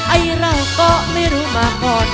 ไอ้เราก็ไม่รู้มาก่อน